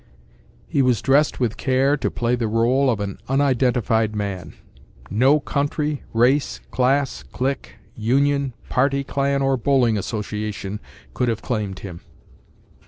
He was dressed with care to play the rôle of an “unidentified man.” No country, race, class, clique, union, party clan or bowling association could have claimed him.